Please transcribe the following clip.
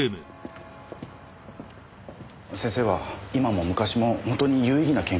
先生は今も昔も本当に有意義な研究をされてますよね。